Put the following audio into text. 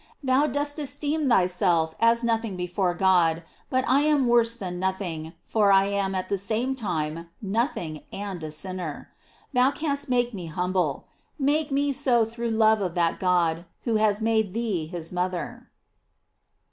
Thou dost esteem thyself as nothing before God; but I am worse than noth ing, for I am, at the same time, nothing and a sinner. Thou canst make me humble. Make me so through love of that God who has made thee his mother.